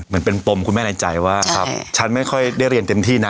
มันเป็นปมคุณแม่ในใจว่าฉันไม่ค่อยได้เรียนเต็มที่นะ